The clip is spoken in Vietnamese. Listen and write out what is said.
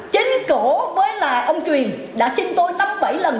chính cổ với là ông truyền đã xin tôi tắm bảy lần